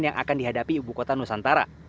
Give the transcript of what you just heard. yang akan dihadapi ibu kota nusantara